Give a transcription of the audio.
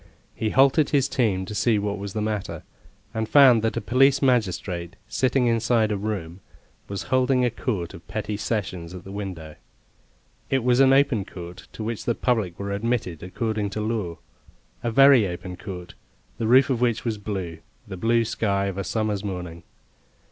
He halted his team to see what was the matter, and found that a police magistrate, sitting inside a room, was holding a Court of Petty Sessions at the window. It was an open court, to which the public were admitted according to law; a very open court, the roof of which was blue the blue sky of a summer's morning.